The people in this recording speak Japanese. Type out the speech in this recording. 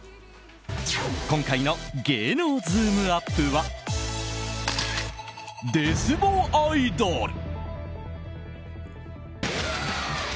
今回の芸能ズームＵＰ！はデスボアイドル！